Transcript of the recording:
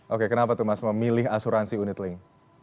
oke kenapa tuh mas memilih asuransi unit link